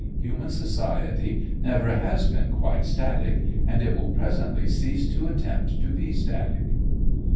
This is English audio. Human society never has been quite static, and it will presently cease to attempt to be static.